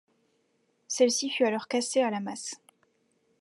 Celle-ci fut alors cassée à la masse.